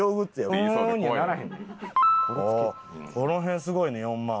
この辺すごいね４万。